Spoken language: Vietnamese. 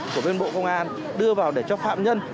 của bên bộ công an đưa vào để cho phạm nhân